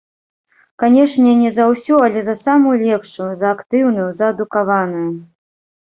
Канечне, не за ўсю, але за самую лепшую, за актыўную, за адукаваную.